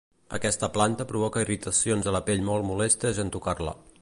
Aquesta planta provoca irritacions a la pell molt molestes en tocar-la.